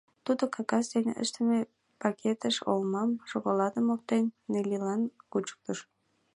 Тудо кагаз дене ыштыме пакетыш олмам, шоколадым оптен, Неллилан кучыктыш.